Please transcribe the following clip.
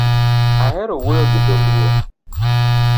Ahero wuoyo gi dholuo